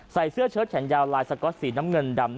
เสื้อเชิดแขนยาวลายสก๊อตสีน้ำเงินดำ